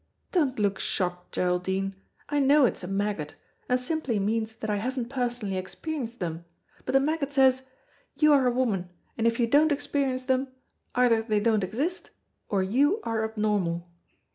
Don't look shocked, Geraldine. I know it's a maggot, and simply means that I haven't personally experienced them, but the maggot says, 'You are a woman, and if you don't experience them, either they don't exist, or you are abnormal.'